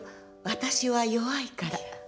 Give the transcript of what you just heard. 私は弱いから」